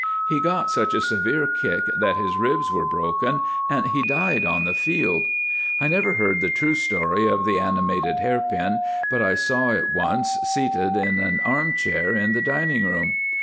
He got such a severe kick that his ribs were broken, and he died on the field. I never heard the true story of the 'Animated Hairpin,' but I saw it once seated in an armchair in the dining room.